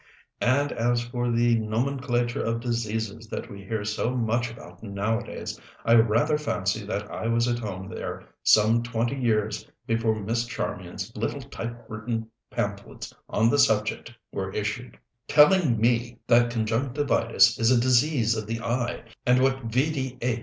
And as for the Nomenclature of Diseases that we hear so much about nowadays, I rather fancy that I was at home there some twenty years before Miss Charmian's little typewritten pamphlets on the subject were issued. Telling me that conjunctivitis is a disease of the eye, and what V.